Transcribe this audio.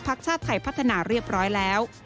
ชาติไทยพัฒนาเรียบร้อยแล้ว